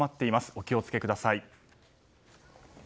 お気を付けください。